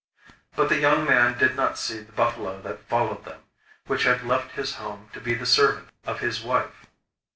But the young man did not see the buffalo that followed them, which had left his home to be the servant of his wife.